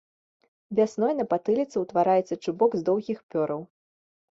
Вясной на патыліцы ўтвараецца чубок з доўгіх пёраў.